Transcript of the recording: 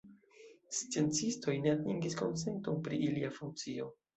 Sciencistoj ne atingis konsenton pri ilia funkcio.